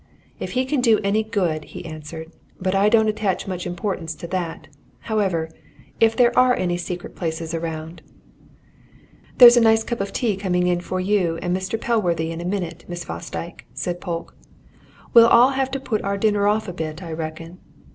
"If he can do any good," he answered. "But I don't attach much importance to that. However if there are any secret places around " "There's a nice cup of tea coming in for you and Mr. Pellworthy in a minute, Miss Fosdyke," said Polke. "We'll all have to put our dinner off a bit, I reckon."